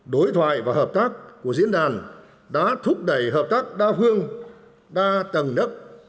đối thoại và hợp tác của diễn đàn đã thúc đẩy hợp tác đa phương đa tầng nấc